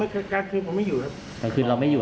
ก็มีพวกคนมาใหม่และ